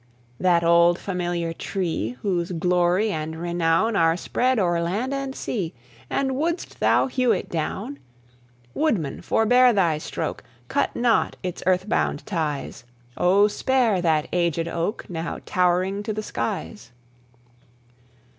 That old familiar tree, Whose glory and renown Are spread o'er land and sea And wouldst thou hew it down? Woodman, forbear thy stroke! Cut not its earth bound ties; Oh, spare that agèd oak Now towering to the skies!